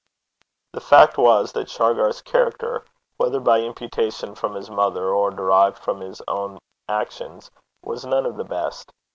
The fact was, that Shargar's character, whether by imputation from his mother, or derived from his own actions, was none of the best.